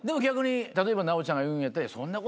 例えば奈央ちゃんが言うんやったら。